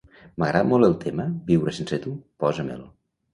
M'agrada molt el tema "Viure sense tu", posa-me'l.